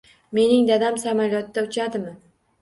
Mening dadam samolyotda uchadimi?